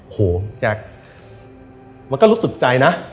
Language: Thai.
โหแจ๊คมันก็รู้สึกใจนะ